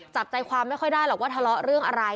จับใจความไม่ค่อยได้หรอกว่าทะเลาะเรื่องอะไร